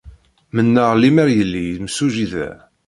Mennaɣ lemmer yelli yimsujji da.